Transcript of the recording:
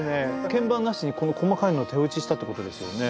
鍵盤なしにこの細かいの手打ちしたってことですよね。